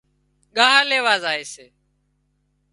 ڳاهَه ليوا زائي سي